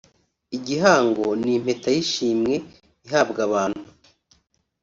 Igihango ni Impeta y’Ishimwe ihabwa abantu